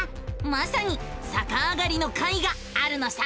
まさにさかあがりの回があるのさ！